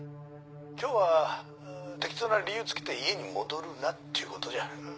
今日は適当な理由つけて家に戻るなっちゅうことじゃ。